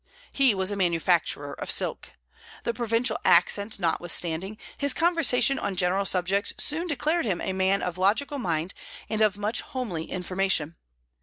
He was a manufacturer of silk. The provincial accent notwithstanding, his conversation on general subjects soon declared him a man of logical mind and of much homely information.